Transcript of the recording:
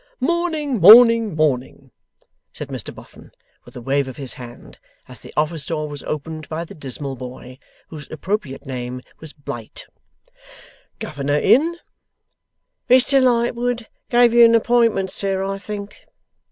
'Morning, morning, morning!' said Mr Boffin, with a wave of his hand, as the office door was opened by the dismal boy, whose appropriate name was Blight. 'Governor in?' 'Mr Lightwood gave you an appointment, sir, I think?